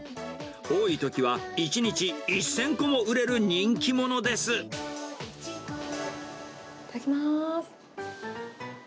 多いときは１日１０００個も売れいただきます。